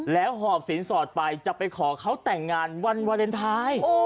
แล้วหอบสินสอดไปจะไปขอเขาแต่งงานวันวาเลนไทย